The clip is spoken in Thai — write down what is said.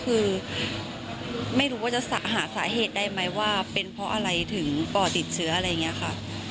คือไม่รู้ว่าจะหาสาเหตุได้ไหมว่าเป็นเพราะอะไรถึงปอดติดเชื้ออะไรอย่างนี้ค่ะ